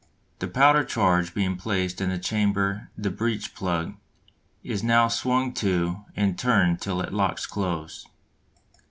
The powder charge being placed in the chamber the breech plug is now swung to and turned till it locks close.